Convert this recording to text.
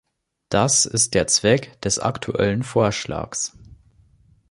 Das ist der Zweck des aktuellen Vorschlags.